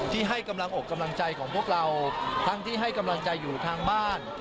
ที่ให้กำลังอกกำลังใจของพวกเราทั้งที่ให้กำลังใจอยู่ทางบ้าน